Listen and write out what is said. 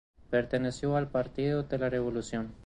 Perteneció al Partido de la Revolución.